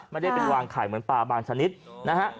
ไม่ได้เป็นวางไข่เหมือนปลาบางชนิดนะฮะ